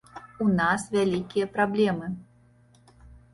У нас вялікія праблемы.